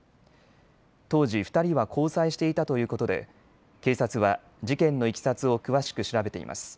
当時２人は交際していたということで警察は事件のいきさつを詳しく調べています。